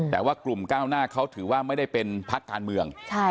แต่ว่ากลุ่มก้าวหน้าเขาถือว่าไม่ได้เป็นพักการเมือง